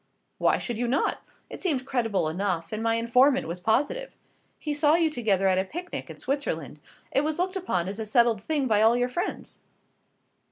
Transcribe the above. "Why should you not? It seemed credible enough, and my informant was positive; he saw you together at a picnic in Switzerland. It was looked upon as a settled thing by all your friends."